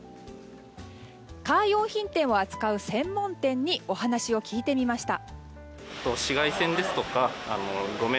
カー用品を扱う専門店にお話を聞いてみました。